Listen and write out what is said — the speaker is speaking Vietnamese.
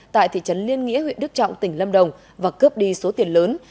tại thị trấn liên nghĩa huyện đức trọng tỉnh lâm đồng và cướp đi số tiền lớn